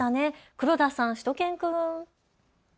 黒田さん、しゅと犬くん。